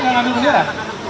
ga ngambil bendera